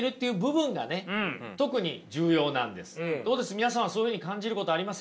皆さんはそういうふうに感じることありません？